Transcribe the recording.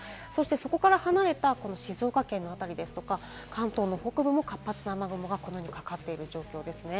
そこから離れた静岡県の辺りですとか、関東の北部も活発な雨雲がかかっている状況です。